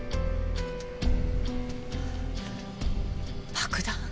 爆弾？